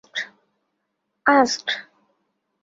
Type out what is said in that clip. Asked.